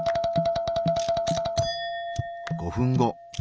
５分後。